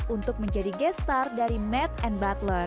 untuk menjadi guest star dari maid and butler